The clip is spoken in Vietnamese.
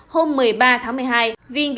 hôm một mươi ba tháng một mươi hai